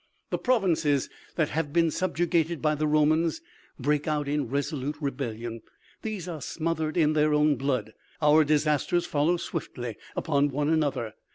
The provinces that have been subjugated by the Romans, break out in resolute rebellion; these are smothered in their own blood. Our disasters follow swiftly upon one another.